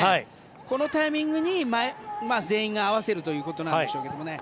このタイミングに全員が合わせるということなんでしょうけどね。